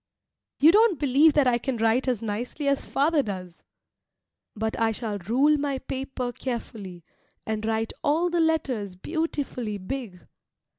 You don't believe that I can write as nicely as father does! But I shall rule my paper carefully, and write all the letters beautifully big.